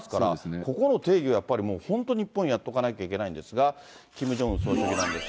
ここの定義をやっぱりもう本当、日本やっとかなきゃいけないんですが、キム・ジョンウン総書記なんですが。